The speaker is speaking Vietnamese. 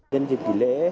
nhân dịp kỷ lễ